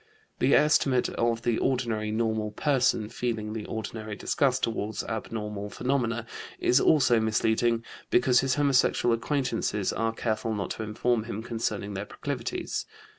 The estimate of the ordinary normal person, feeling the ordinary disgust toward abnormal phenomena, is also misleading, because his homosexual acquaintances are careful not to inform him concerning their proclivities.